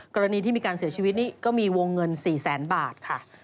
กรณีที่มีการเสียชีวิตนี่ก็มีวงเงิน๔แสนบาทค่ะ